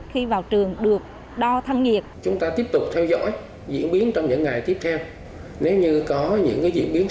khi vào trường